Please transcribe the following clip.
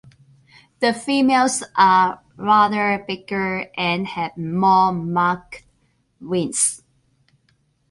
The females are rather bigger and have more marked wings.